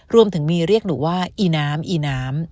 รวมถึงมีเรียกหนูว่าอีน้ำอีน้ำ